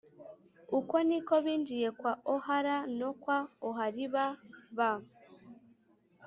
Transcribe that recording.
uko ni ko binjiye kwa Ohola no kwa Oholiba ba